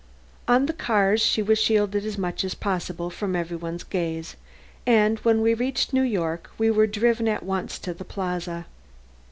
On the cars she was shielded as much as possible from every one's gaze, and when we reached New York we were driven at once to the Plaza.